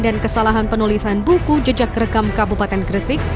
dan kesalahan penulisan buku jejak rekam kabupaten gersik